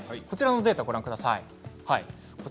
こちらのデータをご覧ください。